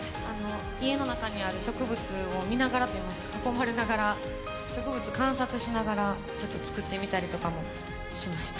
家の中にある植物を見ながらというか囲まれながら植物、観察しながら作ってみたりとかもしました。